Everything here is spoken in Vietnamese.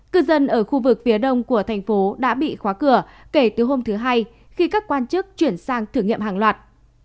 cư dân ở khu vực phía đông của thành phố đã bị khóa cửa kể từ hôm thứ hai khi các quan chức chuyển sang thử nghiệm hàng loạt